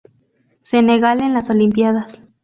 Senegal en las Olimpíadas